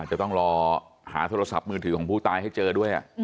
จะต้องรอหาโทรศัพท์มือถือของผู้ตายให้เจอด้วย